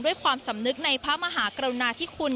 ความสำนึกในพระมหากรุณาธิคุณ